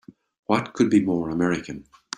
What could be more American!